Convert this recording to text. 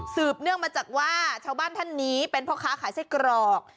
เนื่องมาจากว่าชาวบ้านท่านนี้เป็นพ่อค้าขายไส้กรอก